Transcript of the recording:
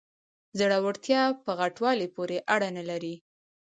زړورتیا په غټوالي پورې اړه نلري.